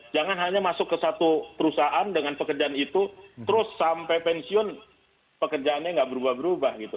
jangan hanya masuk ke satu perusahaan dengan pekerjaan itu terus sampai pensiun pekerjaannya nggak berubah berubah gitu